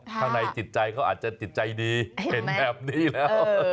ข้างในจิตใจเขาอาจจะจิตใจดีเห็นแบบนี้แล้ว